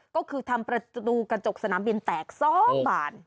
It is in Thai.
ก็คือทำประตูกระจกสนามบินแตก๒บาน